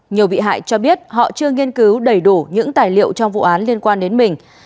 nhiều bị hại cho biết họ chưa nghiên cứu đầy đủ những tài liệu trong vụ án liên quan đến mình